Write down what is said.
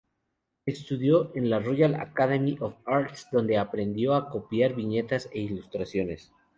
Estudió en la Royal Academy of Arts, donde aprendió a copiar viñetas e ilustraciones.